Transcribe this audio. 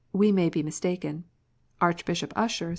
We may be mistaken." Archbishop Usher.